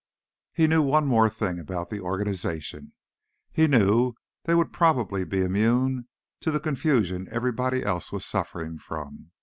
He knew one more thing about the organization. He knew they'd probably be immune to the confusion everybody else was suffering from.